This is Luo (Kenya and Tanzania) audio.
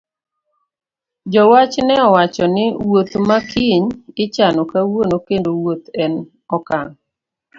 Jowach ne owacho ni wuoth ma kiny ichano kawuono kendo wuoth en okang'